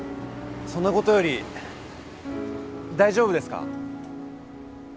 そんなことより大丈夫ですか？